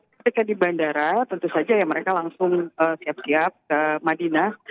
ketika di bandara tentu saja ya mereka langsung siap siap ke madinah